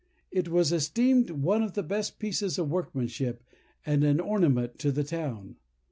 It was esteemed one of the best pieces of workmanship, and an ornament to the town.